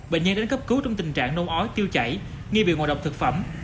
bệnh nhân đến cấp cứu trong tình trạng nôn ói tiêu chảy nghi bị ngộ độc thực phẩm